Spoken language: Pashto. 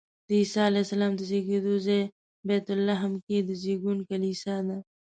د عیسی علیه السلام د زېږېدو ځای بیت لحم کې د زېږون کلیسا ده.